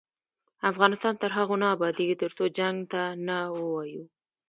افغانستان تر هغو نه ابادیږي، ترڅو جنګ ته نه ووایو.